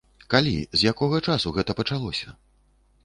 Калі, з якога часу гэта пачалося?